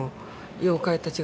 妖怪たちが。